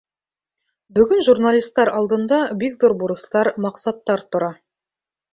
Бөгөн журналистар алдында бик ҙур бурыстар, маҡсаттар тора.